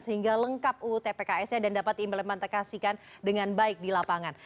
sehingga lengkap uu tpks nya dan dapat diimplementasikan dengan baik di lapangan